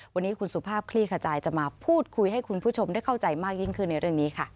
วันนี้คุณสุภาพคลี่ขจายจะมาพูดคุยให้คุณผู้ชมได้เข้าใจมากยิ่งขึ้นในเรื่องนี้ค่ะ